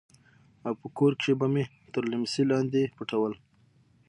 او په کور کښې به مې تر ليمڅي لاندې پټول.